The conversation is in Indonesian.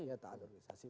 iya taat organisasi